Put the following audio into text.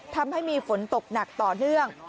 ทำให้มีฝนตกหนักต่อเนื่อง